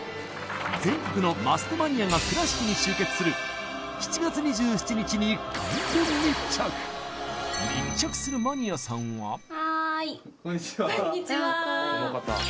全国のマステマニアが倉敷に集結する７月２７日に完全密着はーいこんにちはこんにちは